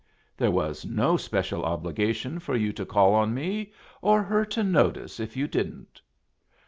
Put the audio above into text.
There was no special obligation for you to call on me, or her to notice if you didn't."